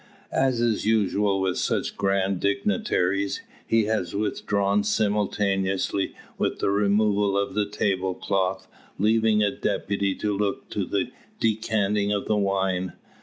As is usual with such grand dignitaries, he has withdrawn simultaneously with the removal of the tablecloth, leaving a deputy to look to the decanting of the wine.